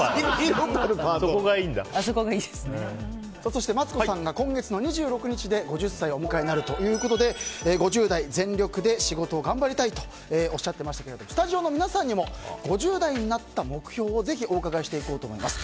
そしてマツコさんが今月２６日で５０歳をお迎えになるということで５０代全力で仕事を頑張りたいとおっしゃっていましたがスタジオの皆さんにも５０代になった目標をぜひお伺いしていこうと思います。